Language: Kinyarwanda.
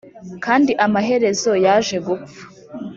kandi amaherezo yaje gupfa